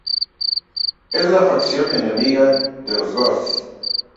Es la facción enemiga de los Ghosts.